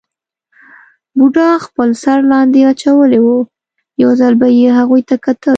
بوډا خپل سر لاندې اچولی وو، یو ځل به یې هغوی ته کتل.